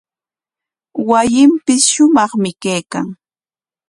Wasinpis shumaqmi kaykan.